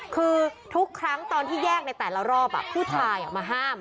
คือทุกครั้งตอนที่แยกในแต่ละรอบผู้ชายมาห้าม